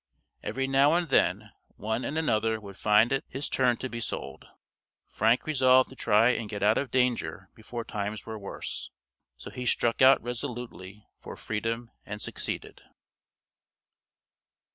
Every now and then one and another would find it his turn to be sold. Frank resolved to try and get out of danger before times were worse. So he struck out resolutely for freedom and succeeded.